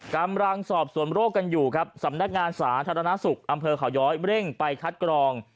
กำลังสอบสวนโรคกันอยู่ครับสำนักงานสาธารณสุขอำเภอเขาย้อยเร่งไปคัดกรอง